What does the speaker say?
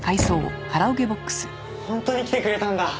本当に来てくれたんだ。